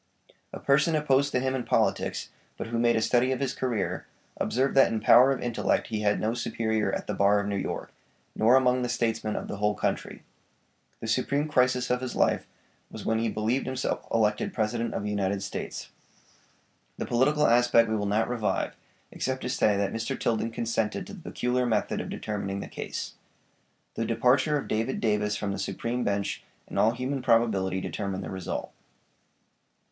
A person opposed to him in politics, but who made a study of his career, observed that in power of intellect he had no superior at the bar of New York, nor among the statesmen of the whole country. The supreme crisis of his life was when he believed himself elected President of the United States. The political aspect we will not revive, except to say that Mr. Tilden consented to the peculiar method of determining the case. The departure of David Davis from the supreme bench in all human probability determined the result.